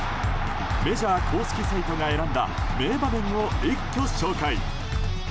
メジャー公式サイトが選んだ名場面を一挙紹介。